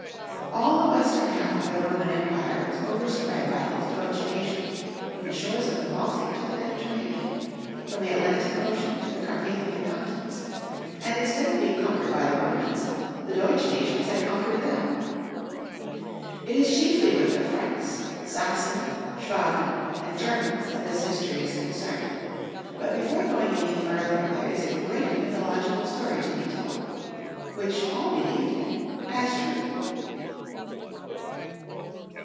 All the west em half of the Roman Empire was oversprgad by these Deutsch nations from the shores of the Baltic to the Mediterranean, from the Atlantic Ocean to the Carpathian Mountains; and instead of being conquered by the Romans, the Deutsch nations had conquered them. It is chiefly with the Franks, Sachsen, Schwaben, The Q ermaiM and Momans, 89 and Germans that this history is concerned; but before going any further, there is a great mytho logical story to be told, which all believed in as truth.